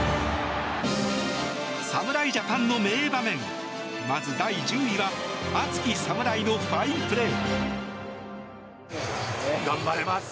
侍ジャパンの名場面まず第１０位は熱き侍のファインプレー。